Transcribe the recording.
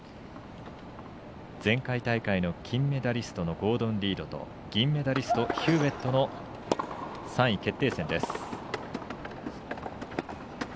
前回大会の金メダリストのゴードン・リードと銀メダリストのヒューウェットの３位決定戦。